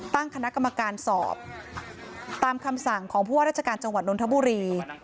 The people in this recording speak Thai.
ตั้งคณะกรรมการสอบตามคำสั่งของผู้ว่าราชการจังหวัดนทบุรี